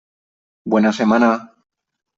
Buena semana.